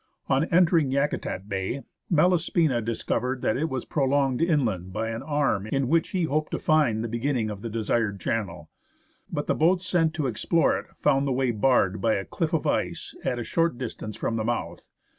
On enter ing Yakutat Bay, Malaspina discovered that it was prolonged inland by an arm in which he hoped to find the beginning of the desired channel. But the boats sent to explore it found the way barred by a cliff of ice at a short distance from the mouth.